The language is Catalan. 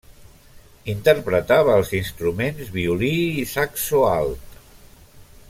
Interpretava els instruments Violí i Saxo alt.